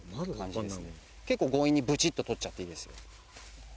結構強引にブチっと取っちゃっていいですよ。